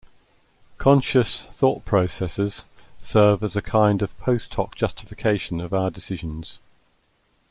Conscious thought-processes serve as a kind of post hoc justification of our decisions.